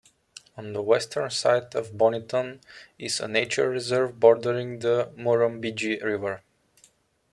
On the western side of Bonython is a nature reserve bordering the Murrumbidgee River.